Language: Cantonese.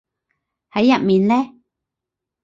喺入面嘞